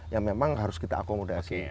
yang memang harus kita akomodasi